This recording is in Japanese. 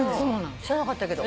知らなかったけど。